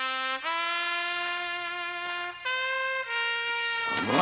貴様